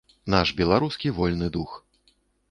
Наш беларускі вольны дух.